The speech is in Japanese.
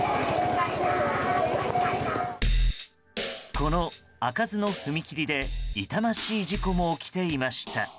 この開かずの踏切で痛ましい事故も起きていました。